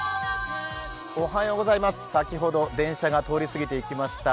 先ほど、電車が通り過ぎていきました。